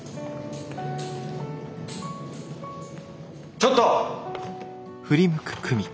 ちょっと！